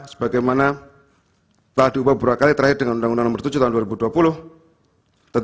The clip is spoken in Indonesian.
sebagaimana telah diubah berakali terakhir dengan undang undang nomor tujuh tahun dua ribu dua puluh